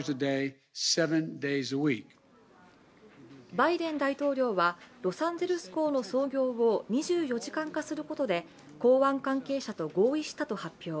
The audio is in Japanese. バイデン大統領はロサンゼルス港の操業を２４時間化することで港湾関係者と合意したと発表。